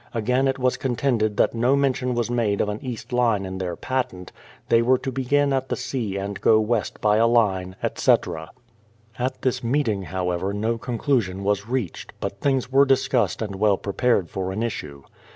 Again, it was contended that no mention was made of an east line in their patent ; they were to begin at the sea and go west by a line, etc. At this meeting, however, no conclusion was reached; but things were discussed and well prepared for an issue.